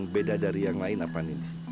beda dari yang lain apaan ini